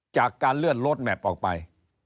จากการเลื่อนโลดแมพออกไป